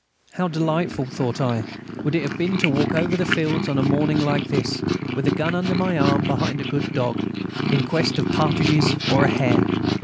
How delightful, thought I, would it have been to walk over the fields, on a morning like this, with a gun under my arm, behind a good dog, in quest of partridges or a hare.